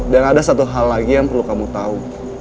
dan ada satu hal lagi yang perlu kamu tahu